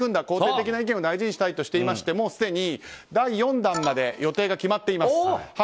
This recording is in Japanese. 肯定的な意見を大事にしたいと話していましてもうすでに第４弾まで予定が決まっています。